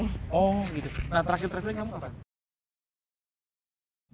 nah terakhir traveling kamu apa